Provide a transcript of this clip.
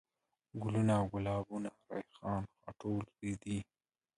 ګلوونه ،ګلابونه ،ريحان ،غاټول ،رېدی